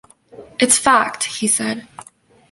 "It's fact," he said.